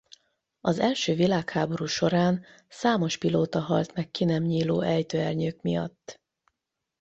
Az első világháború során számos pilóta halt meg ki nem nyíló ejtőernyők miatt.